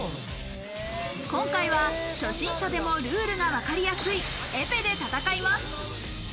今回は初心者でもルールがわかりやすいエペで戦います。